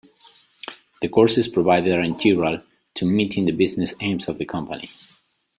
The courses provided are integral to meeting the business aims of the company.